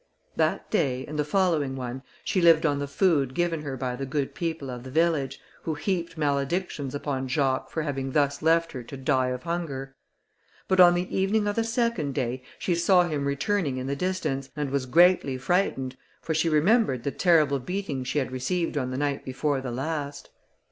That day, and the following one, she lived on the food given her by the good people of the village, who heaped maledictions upon Jacques for having thus left her to die of hunger: but, on the evening of the second day, she saw him returning in the distance, and was greatly frightened, for she remembered the terrible beating she had received on the night before the last.